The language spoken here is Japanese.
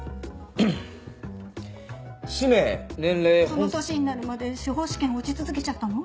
その年になるまで司法試験落ち続けちゃったの？